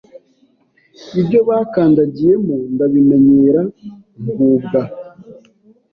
ibyo bakandagiyemo ndabimenyera ngubwa